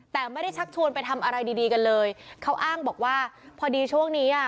แต่ไม่ได้ชักชวนไปทำอะไรดีดีกันเลยเขาอ้างบอกว่าพอดีช่วงนี้อ่ะ